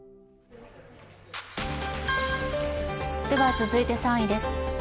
続いて３位です。